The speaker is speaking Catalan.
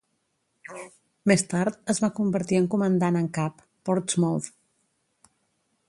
Més tard es va convertir en comandant en cap, Portsmouth.